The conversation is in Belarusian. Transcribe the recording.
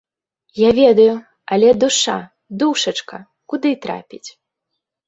Я ведаю, але душа, душачка куды трапіць?